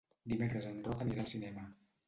Dimecres en Roc anirà al cinema.